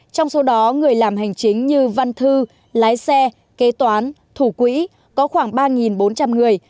trong số đó người làm hành chính như văn thư lái xe kế toán thủ quỹ có khoảng ba bốn trăm linh người